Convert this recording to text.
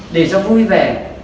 để cho vui vẻ